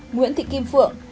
nguyễn thị kim phượng